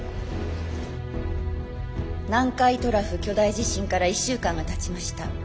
南海トラフ巨大地震から１週間がたちました。